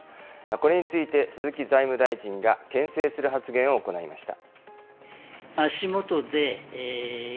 これについて鈴木財務大臣がけん制する発言を行いました。